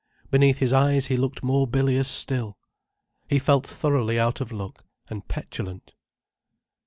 Beneath his eyes he looked more bilious still. He felt thoroughly out of luck, and petulant.